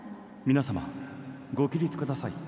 皆様ご起立ください。